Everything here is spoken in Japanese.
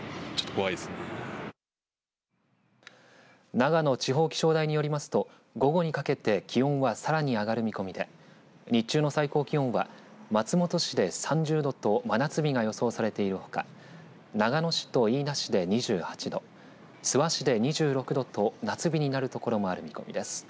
長野地方気象台によりますと午後にかけて気温はさらに上がる見込みで日中の最高気温は松本市で３０度と真夏日が予想されているほか長野市と飯田市で２８度諏訪市で２６度と夏日になる所もある見込みです。